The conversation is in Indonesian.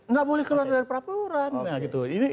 nggak boleh keluarin peraturan